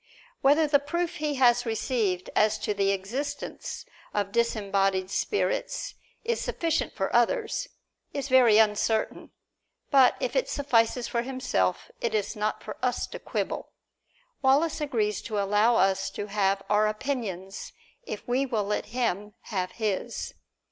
Whether the proof he has received as to the existence of disembodied spirits is sufficient for others is very uncertain; but if it suffices for himself, it is not for us to quibble. Wallace agrees to allow us to have our opinions if we will let him have his.